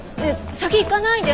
先行かないで。